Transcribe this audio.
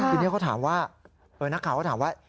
ทีนี้เขาถามว่านักข่าวเขาถามว่า